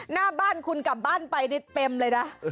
หน้าบ้านคุณกลับบ้านไปได้เต็มเลยนะ